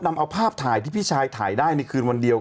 นำเอาภาพถ่ายที่พี่ชายถ่ายได้ในคืนวันเดียว